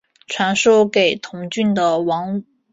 传授给同郡的田王孙。